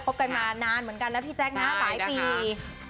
บกันมานานเหมือนกันนะพี่แจ๊คนะหลายปี